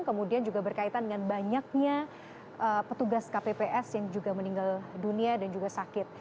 kemudian juga berkaitan dengan banyaknya petugas kpps yang juga meninggal dunia dan juga sakit